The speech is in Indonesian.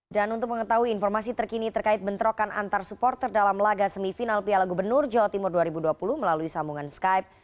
dan untuk mengetahui informasi terkini terkait bentrokan antar supporter dalam laga semifinal piala gubernur jawa timur dua ribu dua puluh melalui sambungan skype